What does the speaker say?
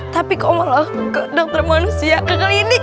tapi kok malah ke dokter manusia ke klinik